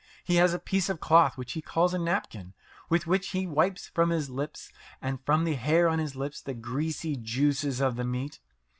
He has a piece of cloth which he calls a napkin, with which he wipes from his lips, and from the hair on his lips, the greasy juices of the meat.